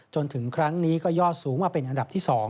จนถึงครั้งนี้ก็ยอดสูงมาเป็นอันดับที่๒